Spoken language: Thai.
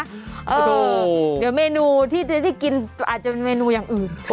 เดี๋ยวเมนูที่จะได้กินอาจจะเป็นเมนูอย่างอื่น